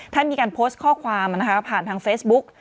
มีการโพสต์ข้อความผ่านทางเฟซบุ๊ก